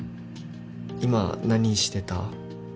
今何してた？